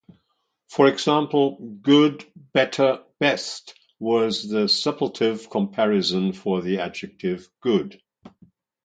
For example, "good, better, best" was the suppletive comparison for the adjective "good."